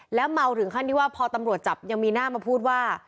แล้วเมาถึงขั้นที่ว่าพอตำรวจจับยังมีหน้ามาพูดว่า